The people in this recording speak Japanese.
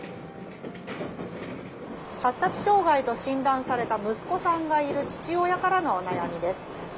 発達障害と診断された息子さんがいる父親からのお悩みです。